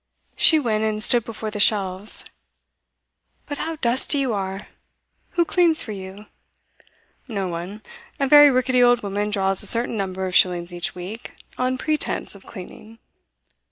She went and stood before the shelves. 'But how dusty you are! Who cleans for you?' 'No one. A very rickety old woman draws a certain number of shillings each week, on pretence of cleaning.